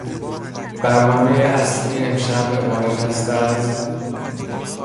برنامهی اصلی امشب عبارت است از....